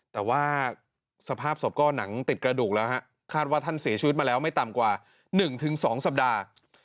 แต่ว่าสภาพศพก็หนังติดกระดูกแล้วฮะคาดว่าท่านเสียชีวิตมาแล้วไม่ต่ำกว่า๑๒สัปดาห์